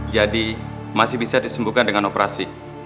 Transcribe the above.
jadi masih bisa disembuhkan dengan operasi